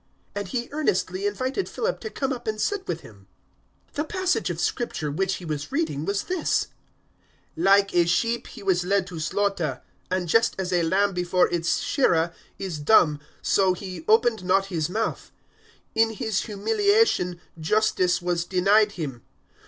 And he earnestly invited Philip to come up and sit with him. 008:032 The passage of Scripture which he was reading was this: "Like a sheep He was led to slaughter, and just as a lamb before its shearer is dumb so He opened not His mouth. 008:033 In His humiliation justice was denied Him.